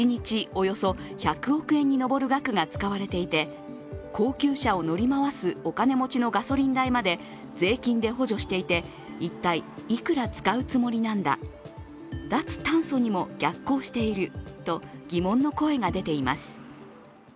およそ１００億円に上る額が使われていて高級車を乗り回すお金持ちのガソリン代まで税金で補助していて、一体いくら使うつもりなんだ、脱炭素にも逆行していると疑問の声が出ています。